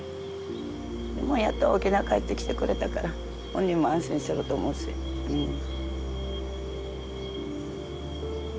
やっと沖縄へ帰ってきてくれたから本人も安心してると思うしうん。